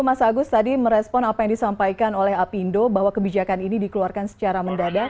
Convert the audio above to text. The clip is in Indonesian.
mas agus tadi merespon apa yang disampaikan oleh apindo bahwa kebijakan ini dikeluarkan secara mendadak